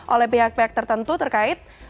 oleh pihak pihak tertentu terkait